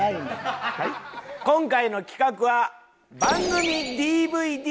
今回の企画はああ。